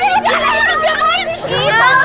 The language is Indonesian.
tidak tidak tidak